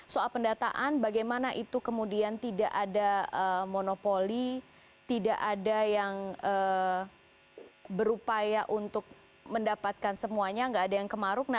soal pendataan bagaimana itu kemudian tidak ada monopoli tidak ada yang berupaya untuk mendapatkan semuanya tidak ada yang kemaruk